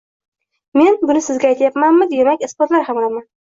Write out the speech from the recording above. Men buni sizga aytyapmanmi, demak, isbotlay ham olaman